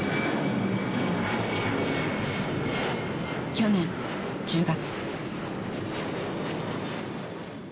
去年１０月。